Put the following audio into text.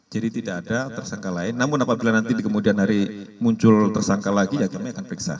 jadi tidak ada tersangka lain namun apabila nanti kemudian hari muncul tersangka lagi ya kami akan periksa